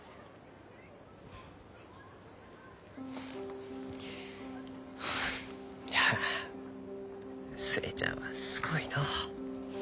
フフいや寿恵ちゃんはすごいのう。